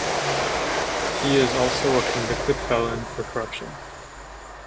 He is also a convicted felon for corruption.